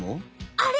あれ？